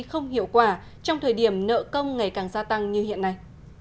không hiệu quả trong thời điểm nợ công ngày càng gia tăng như hiện nay